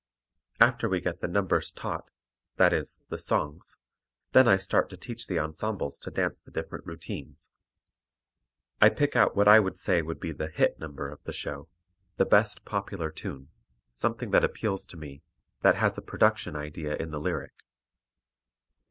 After we get the numbers taught that is, the songs then I start to teach the ensembles to dance the different routines. I pick out what I would say would be the "hit" number of the show, the best popular tune, something that appeals to me, that has a production idea in the lyric.